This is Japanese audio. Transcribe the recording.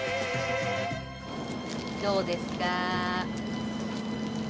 どうですか？